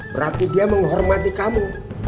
berarti dia menghormati kamu